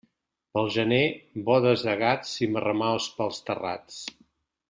Pel gener, bodes de gats i marramaus pels terrats.